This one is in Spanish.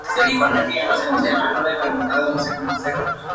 Durante su juventud, Aníbal fue pinchadiscos en una discoteca de su pueblo.